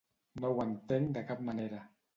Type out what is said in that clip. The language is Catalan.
No ho entenc de cap manera.